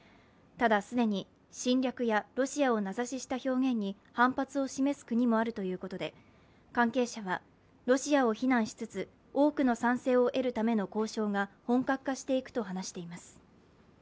ただ、既に侵略やロシアを名指しした表現に反発を示す国もあるということで関係者はロシアを非難しつつ、多くの賛成を得るための交渉が本格化していくと話しています。